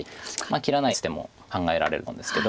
切らないで打つ手も考えられるとは思うんですけど。